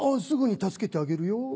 すぐに助けてあげるよ。